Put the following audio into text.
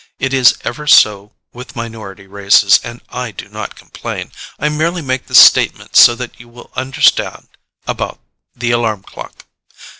It is ever so with minority races, and I do not complain. I merely make this statement so that you will understand about the alarm clock.